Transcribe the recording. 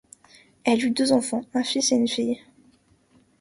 Elle eut deux enfants, un fils et une fille.